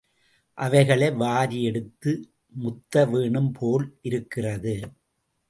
அவைகளை வாரி எடுத்து முத்தவேணும் போல் இருக்கிறது.